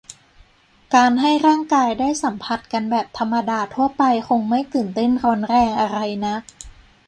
การให้ร่างกายได้สัมผัสกันแบบธรรมดาทั่วไปคงไม่ตื่นเต้นร้อนแรงอะไรนัก